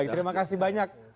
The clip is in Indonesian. terima kasih banyak